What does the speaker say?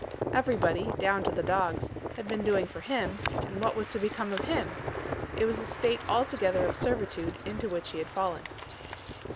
Everybody, down to the dogs, had been doing for him, and what was to become of him! It was a state altogether of servitude into which he had fallen.